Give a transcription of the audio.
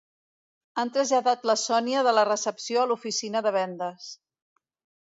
Han traslladat la Sònia de la recepció a l'oficina de vendes.